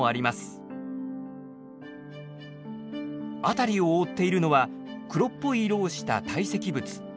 辺りを覆っているのは黒っぽい色をした堆積物。